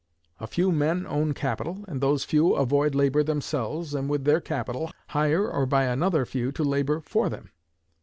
A few men own capital, and those few avoid labor themselves, and, with their capital, hire or buy another few to labor for them.